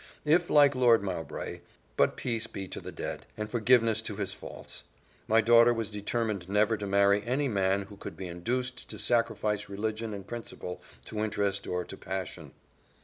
If, like Lord Mowbray but peace be to the dead! and forgiveness to his faults. My daughter was determined never to marry any man who could be induced to sacrifice religion and principle to interest or to passion.